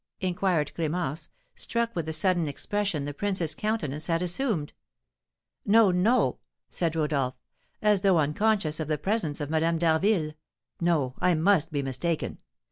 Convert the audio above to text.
inquired Clémence, struck with the sudden expression the prince's countenance had assumed. "No, no!" said Rodolph, as though unconscious of the presence of Madame d'Harville, "no, I must be mistaken.